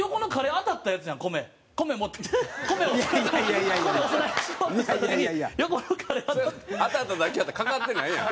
当たっただけやったらかかってないやん。